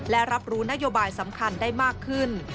และรับรู้นโยบายสำคัญได้มากขึ้น